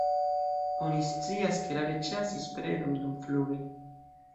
Oni scias, ke rare ĉasis predon dumfluge.